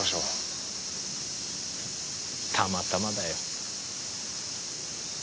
たまたまだよ。